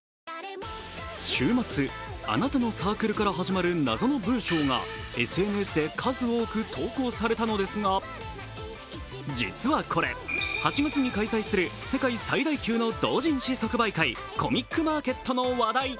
週末、あなたのサークルから始まる謎の文章がＳＮＳで数多く投稿されたのですが実はこれ、８月に開催する世界最大級の同人誌即売会、コミックマーケットの話題。